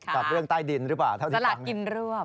กับเรื่องใต้ดินหรือเปล่าเท่าที่หลังกินรวบ